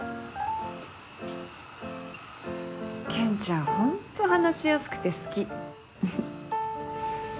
ケンちゃんホント話しやすくて好き。